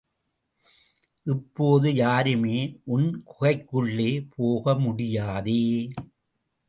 இப்போது யாருமே உன் குகைக்குள்ளே போக முடியாதே.